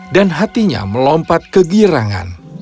dan hatinya melompat ke girangan